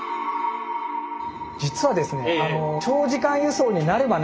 実はですねうわ。